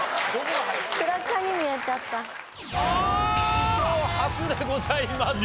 史上初でございます。